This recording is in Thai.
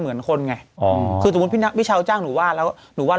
เดี๋ยวพี่ดูแล้วเห็นหน้าเขาเลยอ้าว